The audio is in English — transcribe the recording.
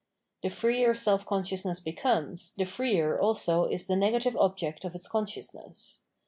The freer self consciousness becomes, the freer also is the negative object of its consciousness.